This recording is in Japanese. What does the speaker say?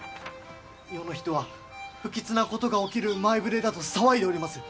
世の人は不吉なことが起きる前触れだと騒いでおります。